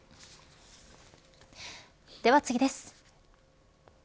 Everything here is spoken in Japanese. では次です。